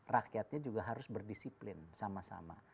rakyatnya juga harus berdisiplin sama sama